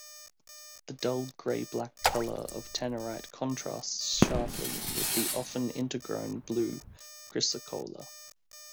The dull grey-black color of tenorite contrasts sharply with the often intergrown blue chrysocolla.